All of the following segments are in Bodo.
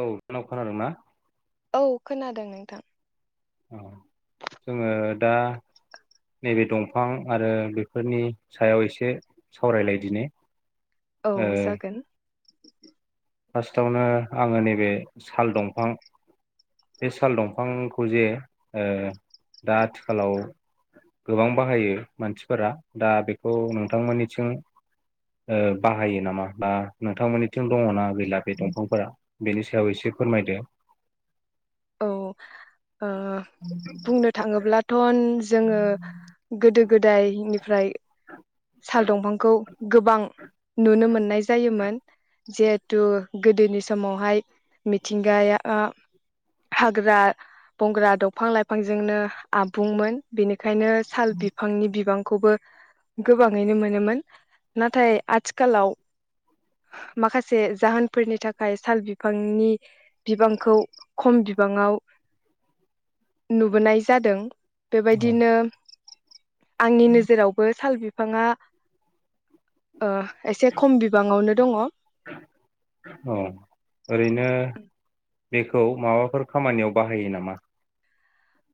औ नोंनाव खोनादोंना? औ खोनादों नोंथां। अ जोङो दा नैबे दंफां आरो बेफोरनि सायाव एसे सावरायलायदिनि। औ जागोन। फार्सतावनो आङो नैबे साल दंफां बे साल दंफांखौ जे ओ दा आथिखालाव गोबां बाहायो मानसिफोरा दा बेखौ नोंथांमोननिथिं ओ बाहायो नामा बा नोंथांमोननिथिं दङना गैला बे दंफांफोरा बेनि सायाव एसे फोरमायदो? औ अ ओ बुंनो थाङोब्लाथ' अन जोङो गोदो गोदायनि फ्राय साल दंफांखौ गोबां नुनो मोननाय जायोमोन जिहेथु गोदोनि समावहाय मिथिंगाया हाग्रा बंग्रा दंफां लाइफांजोंनो आबुंमोन बेनिखाय ओंखायनो साल बिफांनि बिबां खौबो गोबाङैनो मोनोमोन नाथाय आथिखालाव माखासे जाहोनफोरनि थाखाय साल बिफांनि बिबांखौ खम बिबाङाव नुबोनाय जादों। बेबायदिनो आंनि नोजोरावबो सालबिफ फांआ ओ एसे खम बिबाङावनो दङ। औ ओरैनो बेखौ माबाफोर खामानियाव बाहायो नामा?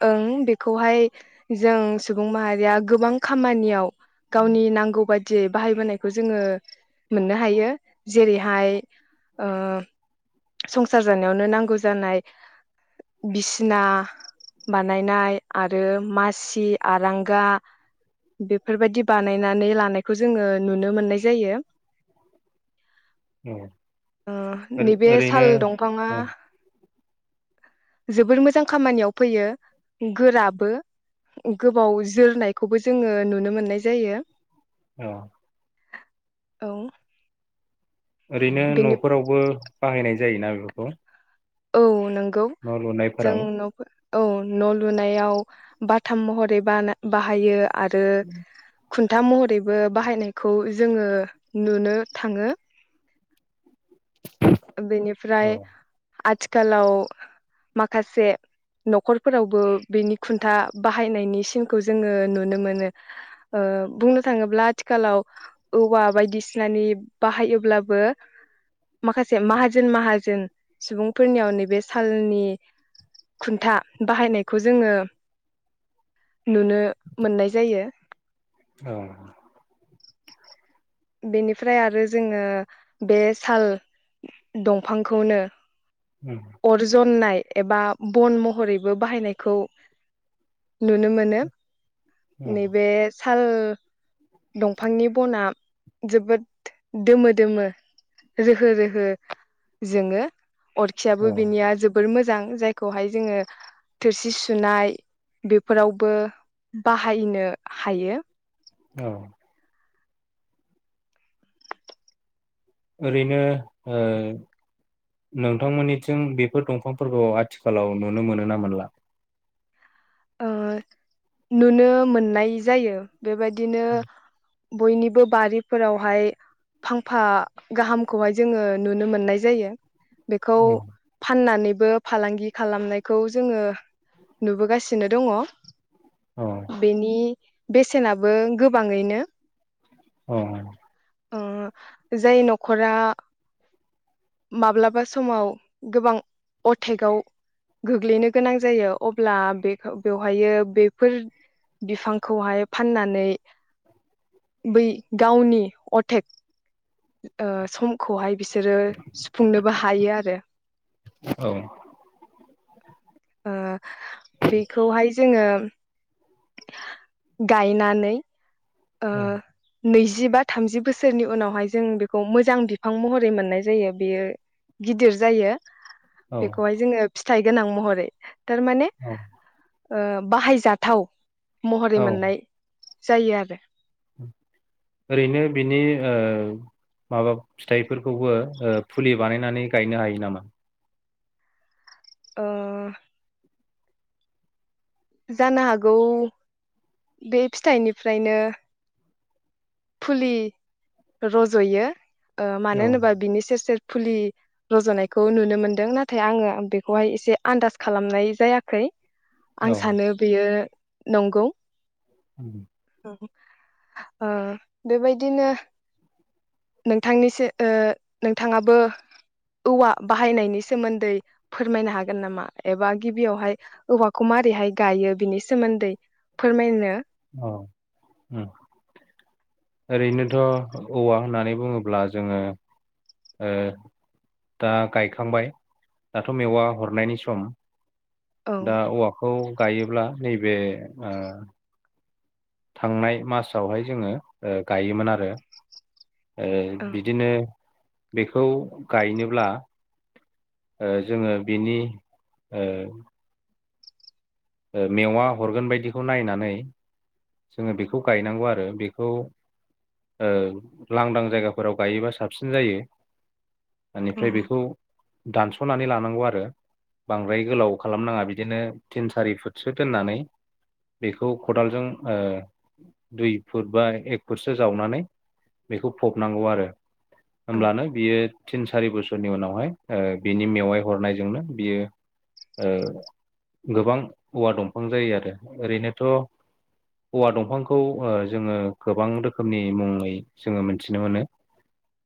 ओं बेखौहाय जों सुबुं माहारिया गोबां खामानियाव गावनि नांगौ बायद जे बाहायबोनायखौ जोङो मोननो हायो। जेरैहाय ओ संसार जानायावनो नांगौ जानाय बिसिना बानायनाय आरो मासि, आरांगा बेफोरबायदि बानायनानै लानायखौ जोङो नुनो मोननाय जायो। औ ओ नैबेस ओरैनो साल दंफाङा औ जोबोर मोजां खामानियाव फैयो गोराबो गोबाव जोरनायखौबो जोङो नुनो मोननाय जायो। अ औ ओरैनो बेनि न'फोरावबो बाहायनाय जायोना बेफोरखौ औ नों गौ न' जों लुनायफोराव न'फोर औ न' लुनायाव बाथाम महरै बाना बाहायो। आरो खुन्था महरैबो बाहायनायखौ जोङो नुनो थाङो। ओ औ बेनिफ्राय आथिखालाव माखासे न'खरफोरावबो बेनि खुन्था बाहायनायनि सिनखौ जोङो नुनो मोनो ओ बुंनो थाङोब्ला आथिखालाव औवा बायदिसिनानि बाहायोब्लाबो माखासे माहाजोन माहाजोन सुबुंफोरनियाव नैबे सालनि खुन्था बाहायनायखौ जोङो नुनो मोननाय जायो। थ' बेनिफ्राय आरो जोङो बे साल दंफांखौनो उम अर जननाय एबा बन महरैबो बाहायनायखौ नुनो मोनो। उम नैबे श साल दंफांनि बना जोबोद दोमो दोमो रोहो रोहो जोङो। औ अरखियाबो बिनिया जोबद मोजां। मोजां जायखौहाय जोङो थोरसि सुनाय बेफोरावबो बाहायनो हायो। औ ओरैनो ओ नोंथांमोननिथिं बेफोर दंफांफोरखौ आथिखालाव नुनो मोनो ना मोनला? ओ नुनो मोननाय जायो। बेबायदिनो बयनिबो बारिफोरावहाय फांफा गाहामखौहाय जोङो नुनो मोननाय जायो। बेखौ औ फाननानै ब फालांगि खालामनायखौ जोङो नुबोगासिनो। नो दङ। औ बेनि बेसेनाबो गोबाङैनो अ अ जाय न'खरा माब्लाबा समाव गोबां अटेकआव गोग्लैनो गोनां जायो अब्ला बे बेवहायो बेफोर बिफांखौहाय फाननानै बै गावनि अटेक अ समखौहाय बिसोरो सुफुंनोबो हायो आरो। औ अ बेखौहाय जोङो गायनानै आ औ नैजि बा थामजि बोसोरनि उनावहाय जों बेखौ मोजां बिफां महरै मोननाय जायो बेयो गिदिर जायो। औ बेखौहाय जोङो फिथाइ गोनां महरै थारमाने ओ बाहायजाथाव महरै औ मोननाय जायो आरो। ओरैनो बिनि ओ माबा फिथाइफोरखौबो फुलि बानायनानै गायनो हायो नामा? अ जानो हागौ बे फिथाइनिफ्रायनो फुलि रज'यो। अ मानो औ होनोबा बिनि सेर सेर फुलि रज'नायखौ नुनो मोनदों नाथाय आङो बेखौहाय एसे आन्दास खालामनाय जायाखै औ आं सानो बेयो नंगौ उम अ बेबायदिनो नोंथांनिसो नोंथाङाबो औवा बाहायनायनि सोमोन्दै फोरमायनो हागोन नामा एबा गिबियावहाय औवाखौ मोरैहाय गायो बिनि सोमोन्दै फोरमायनो। औ उम ओरैनोथ' औवा होननानै बुङोब्ला जोङो उ दा गायखांबाय दाथ' मेवा हरनायनि सम औ दा औवाखौ गायोब्ला नैबे अ थांनाय मासावहाय जोङो गायोमोन आरो औ बिदिनो बेखौ गायनोब्ला अ जोङो बिनि अ अ मेवा हरगोन बायदिखौ नायनानै जोङो बेखौ गायनांगौ आरो बेखौ अ लांदां जायगाफोराव गायोबा साबसिन जायो। औ बेनिफ्राय बेखौ दानस'नानै लानांगौ आरो बांद्राय गोलाव खालामनाङा बिदिनो थिन सारि फुटसो दोननानै बेखौ खदालजों दुइ फुट बा एक फुटसो जावनानै बेखौ फबनांगौ आरो औ होमब्लानो बियो थिन सारि बोसोरनि उनावहाय बिनि मेवाय हरनायजोंनो बियो गोबां औवा दंफां जायो आरो ओरैनोथ' औवा दंफांखौ जोङो गोबां रोखोमनि मुङै जोङो मोनथिनो मोनो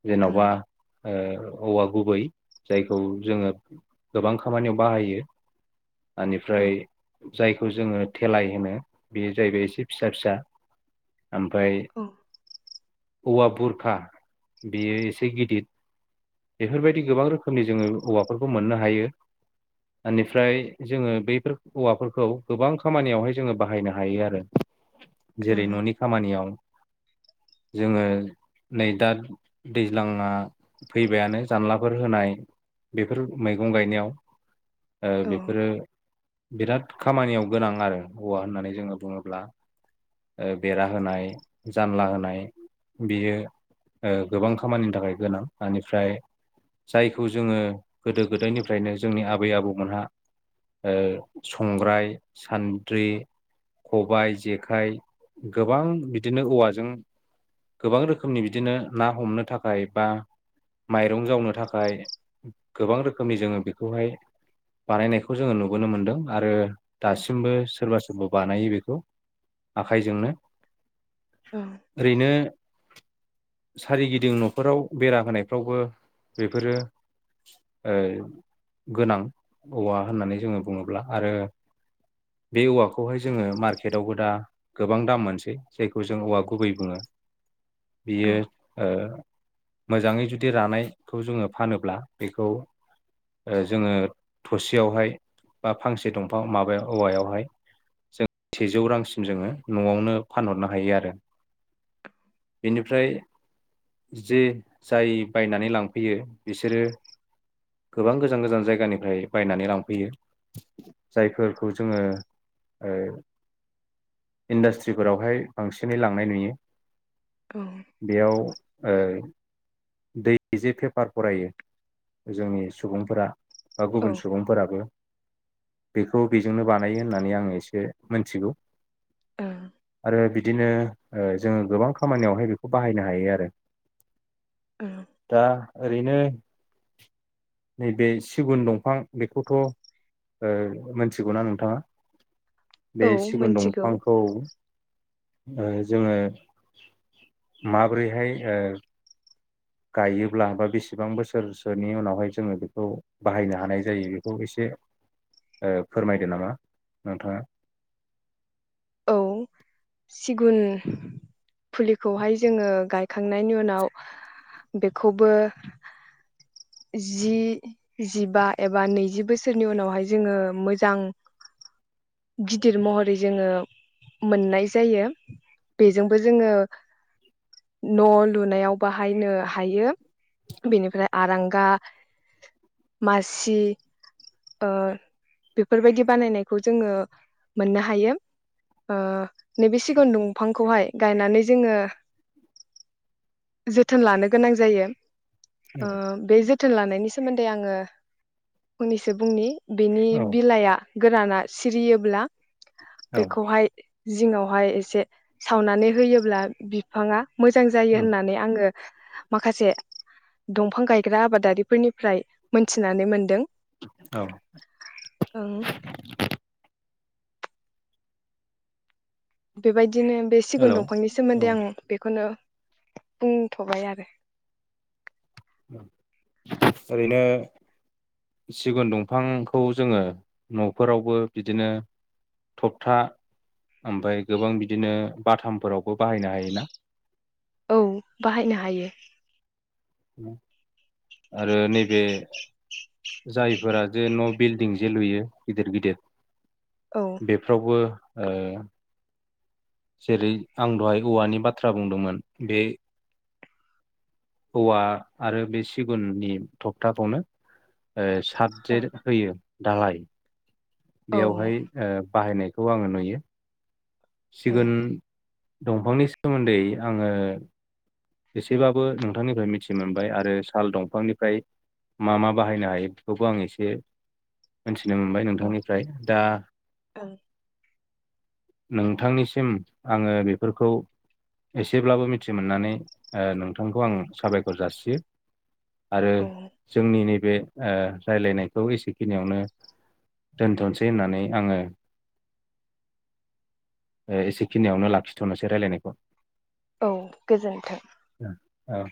जेन'बा औ औव गुबै जायखौ जोङो गोबां खामानियाव बाहायो औ बेनिफ्राय जाय खौ जोङो थेलाय होनो बेयो जाहैबाय एसे फिसा फिसा ओमफ्राय औ औवा बुरखा बेयो एसे गिदिर बेफोरबायदि गोबां रोखोमनि जोङो औवाफोरखौ मोननो हायो बेनिफ्राय जोङो बैफोर औवाफोरखौ गोबां खामानियावहाय जोङो बाहायनो हायो आरो औ जेरै न'नि खामानियाव जोङो नै दा दैज्लां फैबायानो जानलाफोर होनाय बेफोर मैगं गायनायाव बेफोरो बिराद खामानियाव गोनां आरो हौवा होननानै जोङो बुङोब्ला बेरा होनाय जानला होनाय बियो गोबां खामानिनि थाखाय गोनां। बेनिफ्राय जायखौ जोङो गोदो गोदायनिफ्रायनो जोंनि आबै आबौमोनहा संग्राय सान्द्रि खबायाइ जेखाइ गोबां बिदिनो औवाजों गोबां रोखोमनि बिदिनो ना हमनो थाखाय बा माइरं जावनो थाखाय गोबां रोखोमनि जोङो बेखौहाय बानायनायखौ जोङो नुबोनो मोनदों आरो। दासिमबो सोरबा जोंबो बानायो बेखौ आखाइजोंनो। ओरैनो सारिगिदिं न'खराव बेरा होनाय। फ्रावबो बेफोरो गोनां औवा होननानै जोङो बुङोब्ला आरो बे औवाखौहाय जोङो मार्केटावबो दा गोबां दाम मोनसै जायखौ जों औवा गुबै बुङो। बियो आ मोजाङै जुदि बिदि रानायखौ जोङो फानोब्ला बेखौ जोङो थसेयावहाय बा फांसे दंफां माबायाव औवायावहाय जों सेजौ रांसिम जोङो न'आवनो फानहरनो हायो आरो। बेनिफ्राय जे जाय बायनानै लांफैयो बिसोरो गोबां गोजान गोजान जायगानिफ्राय बायनानै लांफैयो जायफोरखौ जोङो इन्डास्ट्रिफोरावहाय बांसिनै लांनाय नुयो। औ बेयाव [unintelligible] दै जे पेपार फरायो जोंनि सुबुंफोरा बा गुबुन सुबुंफोराबो बेखौ बेजोंनो बानायो होननानै आङो एसे मोनथिगौ। आरो बि बिदिनो जोङो गोबां खामानियावहाय बेखौ बाहायनो हायो आरो। औ दा ओरैनो नैबे सिगुन दंफां बेखौथ ओ मोनथिगौना नोंथाङा? औ बे सिगुन मोनथिगौ दंफांखौ। ओ जोङो माबोरैहाय ओ गायोब्ला बा बेसेबां बोसोरसोनि उनावहाय जोङो बेखौ बाहायनो हानाय जायो बेखौ एसे ओ फोरमायदो नामा नोंथाङा? औ सिगुन फुलिखौहाय जोङो गायखांनायनि उनाव बेखौबो जि जिबा एबा नैजि बोसोरनि उनावहाय जोङो मोजां गिदिर महरै जोङो मोननाय जायो बेजोंबो जोङो न‌ लुनायाव बाहायनो हायो बेनिफ्राय आरांगा मासि ओ‌ बेफोरबायदि बानायनायखौ जोङो मोननो हायो ओ नैबे सिगुन दंफांखौहाय गायनानै जोङो जोथोन लानो गोनां जायो। औ ओ बे जों थोन लानायनि सोमोन्दै आङो उननि सो बुंनि बिनि औ बिलाइआ गोराना सिरियोब्ला औ बेखौहाय जिङावहाय एसे सावनानै होयोब्ला बिफाङा मोजां जायो होननानै आङो माखासे दंफां गायग्रा आबादारिफोरनिफ्राय मोनथिनानै मोनदों। औ ओं बेबायदि बिदिनो बे सिगुन हेलौ दंफांनि औ सोमोन्दै आं बेखौनो बुंथ बाय आरो ओरैनो सिगुन दंफांखौ जोङो न‌ फोरावबो बिदिनो थबथा ओमफ्राय गोबां बिदिनो बाथामफोरावबो बाहायनो हायोना? औ बाहायनो हायो। [unintelligible] आरो नैबे जायफोरा जे न बिल्डिं जे लुयो गिदिर गिदिर औ बेफ्रावबो ओ जेरै आं दहाय औवानि बाथ्रा बुंदोंमोन बे औवा आरो बे सिगुननि थखथाखौनो ओ औ थाबजेर होयो। दालाय औ बेयावहाय ओ बाहायनाय खौ आं नुयो। सिगुन दंफांनि सोमोन्दै आङो एसेबाबो नोंथांनिफ्राय मिथि मोनबाय आरो साल दंफांनिफ्राय मा मा बाहायनो हायो बेफोरखौ आं एसे मोनथि नो मोनबाय औ नोंथांनिफ्राय दा नोंथांनिसिम आङो बेफोरखौ एसेब्लाबो मिथि मोननानै ओ नोंथांखौ आं साबायखर जासियो। आरो औ जोंनि नै बे ओ रायज्लायनायखौ एसेखिनियावनो दोनथ'सै होननानै आङो ओ एसेखिनियावनो लाखिथ'नोसै रायलायनायखौ। औ गोजोन्थों। औ।